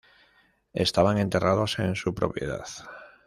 Estaban enterrados en su propiedad.